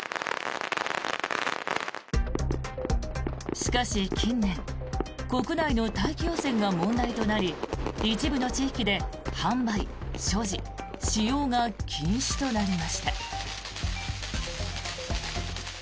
しかし、近年国内の大気汚染が問題となり一部の地域で販売、所持、使用が禁止となりました。